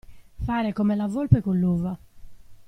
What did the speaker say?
Fare come la volpe con l'uva.